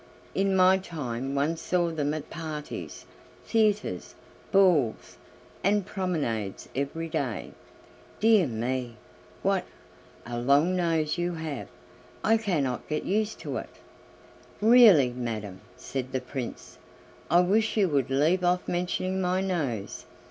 In my time one saw them at parties, theatres, balls, and promenades every day. Dear me! what a long nose you have! I cannot get used to it!" "Really, madam," said the Prince, "I wish you would leave off mentioning my nose.